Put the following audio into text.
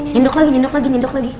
ninduk lagi ninduk lagi ninduk lagi